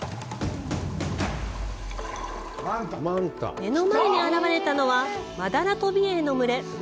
目の前にあらわれたのはマダラトビエイの群れ。